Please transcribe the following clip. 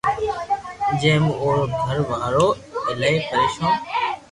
جي مون اورو گر وارو ايلائي پريݾون